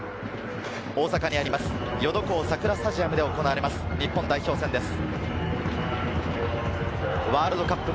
大阪にあります、ヨドコウ桜スタジアムで行われます日本代表戦です。